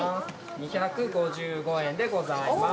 ２５５円でございます。